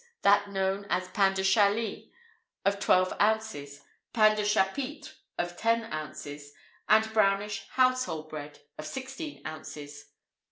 that known as pain de chalis, of twelve ounces; pain de chapitre, of ten ounces; and brownish household bread, of sixteen ounces.